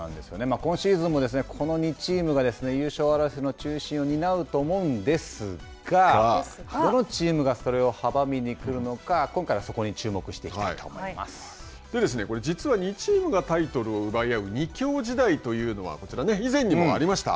今シーズンもこの２チームが、優勝争いの中心を担うと思うんですが、どのチームがそれを阻みに来るのか、今回はそこに注目していきたこれ実は２チームがタイトルを奪う２強時代というのはこちら、以前にもありました。